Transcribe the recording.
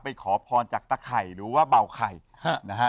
ขอพรจากตะไข่หรือว่าเบาไข่นะฮะ